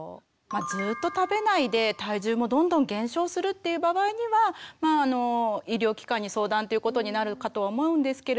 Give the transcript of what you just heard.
ずっと食べないで体重もどんどん減少するっていう場合にはまああの医療機関に相談っていうことになるかとは思うんですけれども。